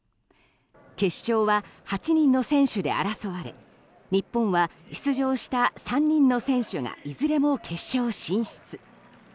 決勝は８人の選手で争われ日本は出場した３人の選手がいずれも決勝進出。